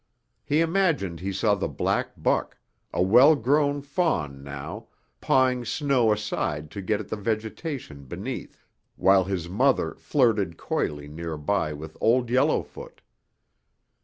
He imagined he saw the black buck, a well grown fawn now, pawing snow aside to get at the vegetation beneath, while his mother flirted coyly nearby with Old Yellowfoot.